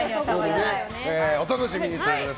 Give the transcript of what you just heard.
お楽しみにということで。